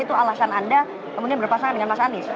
itu alasan anda kemudian berpasangan dengan mas anies